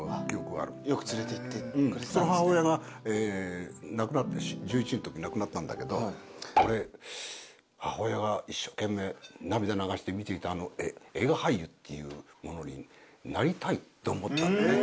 その母親が１１のときに亡くなったんだけど俺母親が一生懸命涙流して見ていた映画俳優っていうものになりたいって思った。